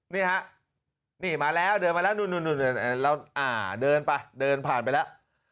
นี่ครับนี่มาแล้วเดินมาแล้วนู่นู่นู่นู่นู่นเราอ่าเดินไปเดินผ่านไปแล้ว